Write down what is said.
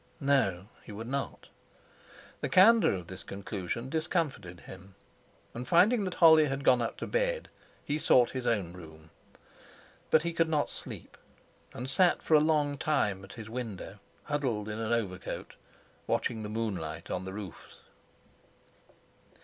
No! he would not. The candour of this conclusion discomfited him; and, finding that Holly had gone up to bed, he sought his own room. But he could not sleep, and sat for a long time at his window, huddled in an overcoat, watching the moonlight on the roofs.